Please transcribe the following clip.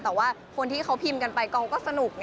แต่ว่าคนที่เขาพิมพ์กันไปกองก็สนุก